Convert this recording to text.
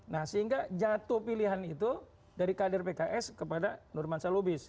nah sehingga jatuh pilihan itu dari kadir pks kepada nur mansalubis